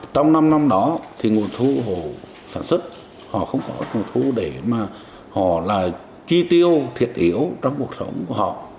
trong năm năm đó thì nguồn thu họ sản xuất họ không có nguồn thu để mà họ là chi tiêu thiệt yếu trong cuộc sống của họ